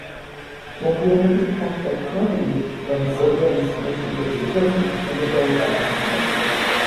მოგვიანებით გახდა ცნობილი, რომ სერიალის მეშვიდე სეზონი იქნებოდა უკანასკნელი.